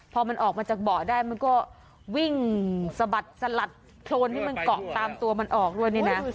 พอมันออกมาจากเบาะได้มันก็วิ่งสะบัดสลัดโครนที่มันเกาะตามตัวมันออกด้วยนี่นะ